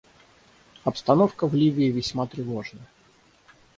Обстановка в Ливии весьма тревожна.